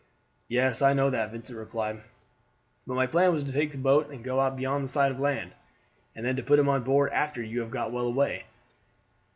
"Yes, I know that," Vincent replied; "but my plan was to take a boat and go out beyond the sight of land, and then to put him on board after you have got well away."